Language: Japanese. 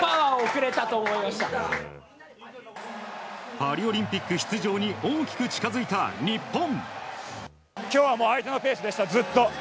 パリオリンピック出場へ大きく近づいた、日本。